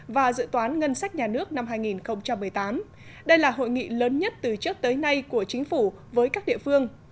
và dự toán ngân sách nhà nước năm hai nghìn một mươi tám đây là hội nghị lớn nhất từ trước tới nay của chính phủ với các địa phương